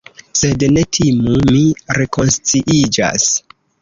Sed ne timu; mi rekonsciiĝas.